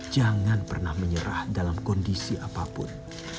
jangan pernah menyerah dalam kondisi apapun